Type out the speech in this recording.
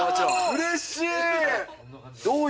うれしい。